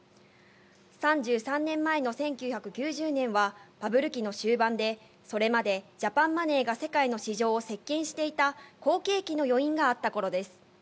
３３年前の１９９０年はバブル期の終盤で、それまでジャパンマネーが世界の市場を席けんしていた、好景気の余韻があったころです。